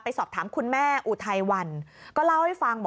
สอบถามคุณแม่อุทัยวันก็เล่าให้ฟัง